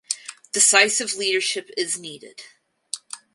Decisive leadership is needed.